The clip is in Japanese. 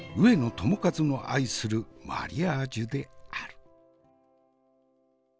友和の愛するマリアージュである。